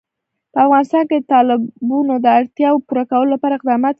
په افغانستان کې د تالابونه د اړتیاوو پوره کولو لپاره اقدامات کېږي.